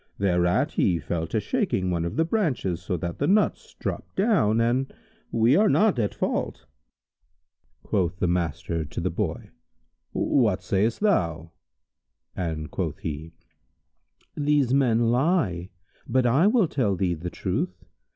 thereat he fell to shaking one of the branches, so that the nuts dropped down, and we are not at fault." Quoth the master to the Boy, "What sayst thou?"; and quoth he, "These men lie; but I will tell thee the truth.